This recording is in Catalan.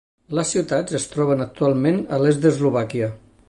Les ciutats es troben actualment a l'est d'Eslovàquia.